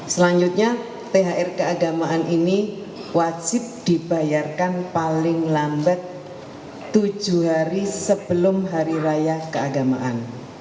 selanjutnya thr keagamaan ini wajib dibayarkan paling lambat tujuh hari sebelum hari raya keagamaan